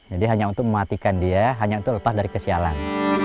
jadi hanya untuk mematikan dia hanya untuk lepas dari kesialan